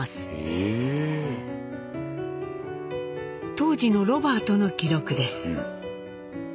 当時のロバートの記録です。